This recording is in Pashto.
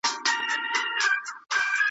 په وطن كي عدالت نسته ستم دئ .